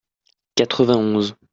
quatre-vingt onze.